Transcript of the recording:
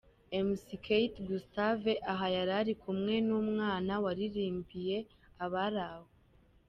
Mc Kate Gustave aha yarari kumwe n'umwana waririmbiye abari aho.